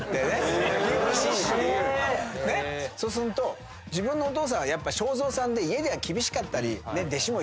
そうすると自分のお父さんはやっぱ正蔵さんで家では厳しかったり。